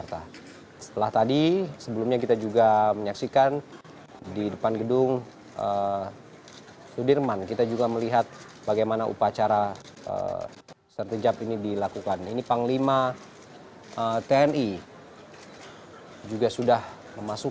raya cinta cinta yang mulia indonesia maupun yang sentosa